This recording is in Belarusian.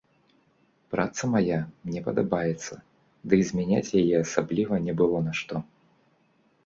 Праца мая мне падабаецца, ды і змяняць яе асабліва не было на што.